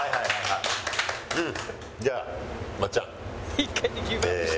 じゃあまっちゃん。